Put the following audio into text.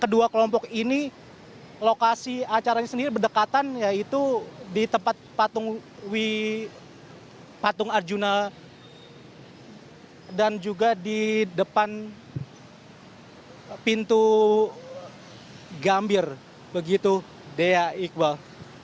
kedua kelompok ini lokasi acaranya sendiri berdekatan yaitu di tempat patung arjuna dan juga di depan pintu gambir begitu dea iqbal